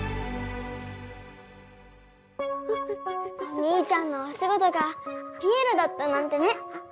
お兄ちゃんのおしごとがピエロだったなんてね！